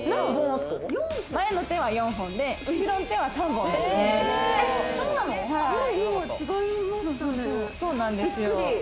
前の手は４本で、後ろの手は３本ですね。